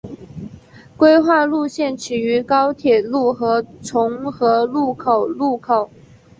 规划路线起于高铁路和重和路口路口。